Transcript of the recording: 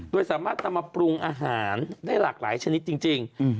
โดยสามารถนำมาปรุงอาหารได้หลากหลายชนิดจริง